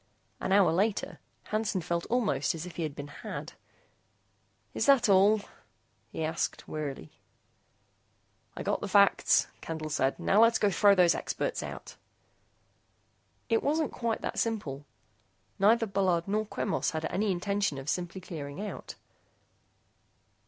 An hour later, Hansen felt almost as if he had been had. "Is that all?" he asked, wearily. "I got the facts," Candle said. "Now let's go throw those experts out." It wasn't quite that simple. Neither Bullard nor Quemos had any intention of simply clearing out.